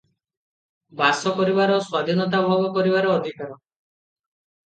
ବାସ କରିବାର ସ୍ୱାଧୀନତା ଭୋଗ କରିବାର ଅଧିକାର ।